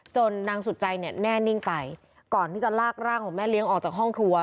นางสุดใจเนี่ยแน่นิ่งไปก่อนที่จะลากร่างของแม่เลี้ยงออกจากห้องครัว